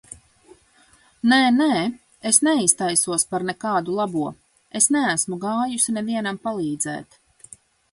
Nē, nē es neiztaisos par nekādu labo. Es neesmu gājusi nevienam palīdzēt.